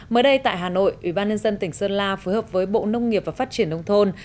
mới đây tại hà nội ủy ban nhân dân tỉnh sơn la phối hợp với bộ nông nghiệp và phát triển nông thôn